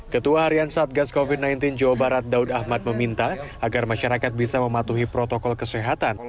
ketua harian satgas covid sembilan belas jawa barat daud ahmad meminta agar masyarakat bisa mematuhi protokol kesehatan